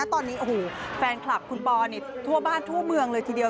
ตอนนี้โอ้โหแฟนคลับคุณปอทั่วบ้านทั่วเมืองเลยทีเดียว